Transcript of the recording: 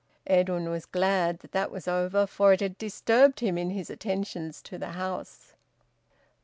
Edwin was glad that that was over; for it had disturbed him in his attentions to the house.